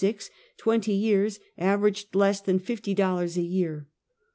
18, '60, twenty years, averaged less than fifty dollars a year.